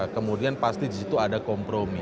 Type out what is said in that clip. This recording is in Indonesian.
kemudian pasti disitu ada kompromi